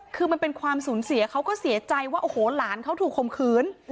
คือมันเป็นความสูญเสียเขาก็เสียใจว่าโอ้โหหลานเขาถูกข่มขืน